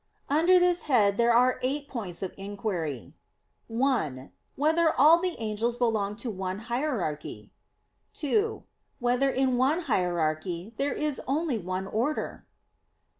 Under this head there are eight points of inquiry: (1) Whether all the angels belong to one hierarchy? (2) Whether in one hierarchy there is only one order?